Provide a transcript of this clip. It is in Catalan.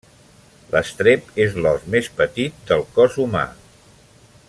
L'estrep és l'os més petit del cos humà.